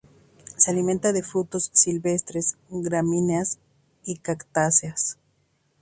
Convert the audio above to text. Se alimenta de frutos silvestres, gramíneas, y cactáceas.